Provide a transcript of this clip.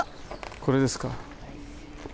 これですか。